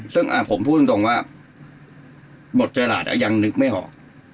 ซึ่งผมพูดตรงว่าบทเจอราชยังนึกไม่ออก